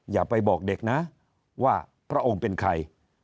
อย่าไปบอกเด็กนะว่าพระองค์เป็นใคร